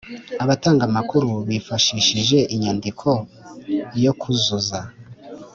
Abatanga amakuru bifashishije inyandiko yo kuzuza